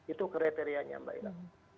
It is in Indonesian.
itu kriterianya mbak ila